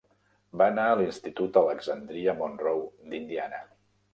Va anar a l'Institut Alexandria Monroe d'Indiana.